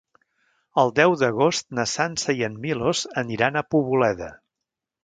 El deu d'agost na Sança i en Milos aniran a Poboleda.